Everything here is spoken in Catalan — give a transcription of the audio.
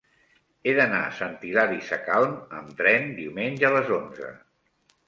He d'anar a Sant Hilari Sacalm amb tren diumenge a les onze.